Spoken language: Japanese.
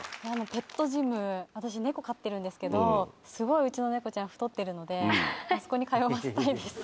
ペットジム私猫飼ってるんですけどすごいうちの猫ちゃん太ってるのであそこに通わせたいです。